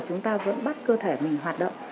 chúng ta vẫn bắt cơ thể mình hoạt động